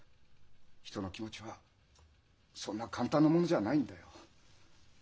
人の気持ちはそんな簡単なものじゃないんだよ。